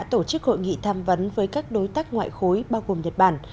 kết thúc hội nghị tham vấn với các đối tác ngoại khối bao gồm nhật bản